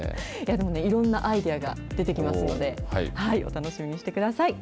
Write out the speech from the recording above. でもね、いろんなアイデアが出てきますので、お楽しみにしてください。